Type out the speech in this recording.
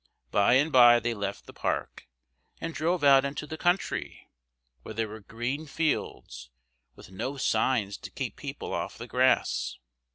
By and by they left the park, and drove out into the country, where there were green fields, with no signs to keep people off the grass.